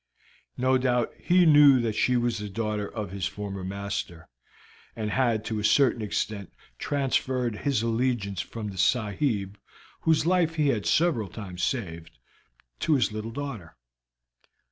No doubt he knew that she was the daughter of his former master, and had to a certain extent transferred his allegiance from the sahib, whose life he had several times saved, to his little daughter.